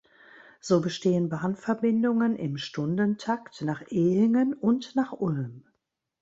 So bestehen Bahn-Verbindungen im Stundentakt nach Ehingen und nach Ulm.